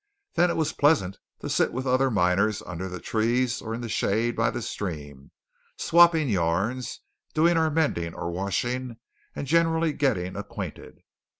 Then it was pleasant to sit with other miners under the trees or in the shade by the stream swapping yarns, doing our mending or washing, and generally getting acquainted.